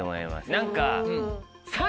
何か。